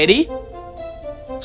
tidak ada apa apa